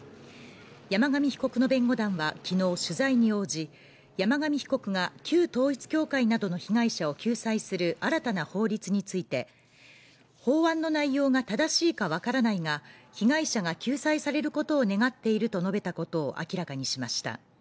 山上被告の弁護団は、昨日取材に応じ、山上被告が旧統一教会などの被害者を救済する新たな法律について法案の内容が正しいかわからないが、被害者が救済されることを願っていると述べたことを明らかにしました。